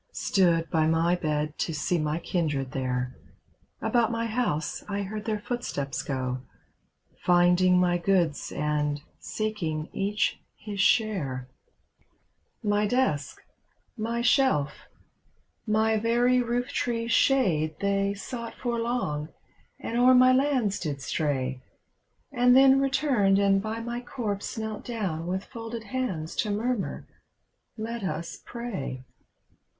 Stood by my bed to see my kindred there; About my house I heard their footsteps go. Finding my goods and seeking each his share. THE SAD YEARS FOR HE HAD GREAT POSSESSIONS (Continued) My desk, my shelf, my very roof tree's shade They sought for long, and o'er my lands did stray, And then returned and by my corpse knelt down With folded hands to murmur, "Let us pray."